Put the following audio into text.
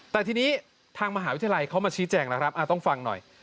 แต่ทีนี้ทางมหาวิทยาลัยเขามาชี้แจงแล้วครับต้องฟังหน่อย